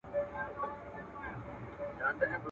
ستا له نوم سره گنډلي ورځي شپې دي ..